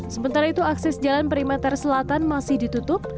sementara itu akses jalan perimeter selatan masih ditutup